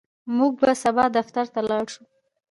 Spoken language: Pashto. موږ به سبا دفتر ته لاړ شو.